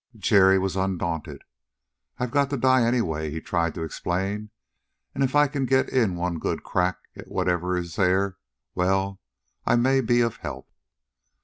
Jerry was undaunted. "I've got to die anyway," he tried to explain, "and if I can get in one good crack at whatever is there well, I may be of help."